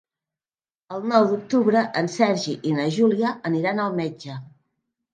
El nou d'octubre en Sergi i na Júlia aniran al metge.